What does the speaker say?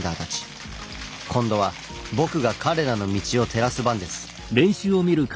今度は僕が彼らの道を照らす番です。